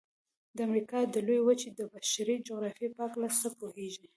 د امریکا د لویې وچې د بشري جغرافیې په هلکه څه پوهیږئ؟